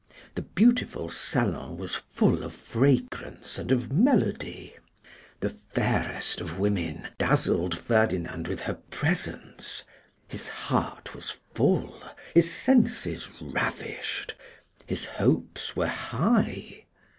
The beautiful salon was full of fragrance and of melody; the fairest of women dazzled Ferdinand with her presence; his heart was full, his senses ravished, his hopes were high.